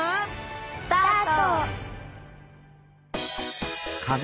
スタート！